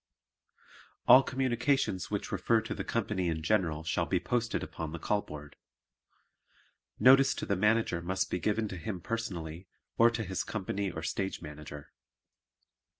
All communications which refer to the company in general shall be posted upon the call board. Notice to the Manager must be given to him personally or to his company or Stage Manager.